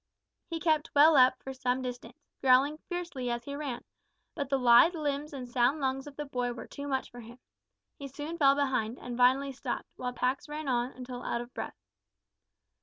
He kept well up for some distance, growling fiercely as he ran, but the lithe limbs and sound lungs of the boy were too much for him. He soon fell behind, and finally stopped, while Pax ran on until out of breath.